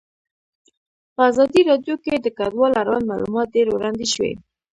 په ازادي راډیو کې د کډوال اړوند معلومات ډېر وړاندې شوي.